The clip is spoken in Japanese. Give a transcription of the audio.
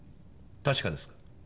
確かですね？